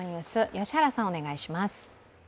良原さん、お願いします。